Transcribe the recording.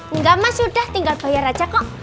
enggak mas sudah tinggal bayar aja kok